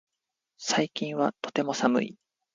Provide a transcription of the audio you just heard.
最近はとても寒い